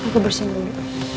ya aku bersihin dulu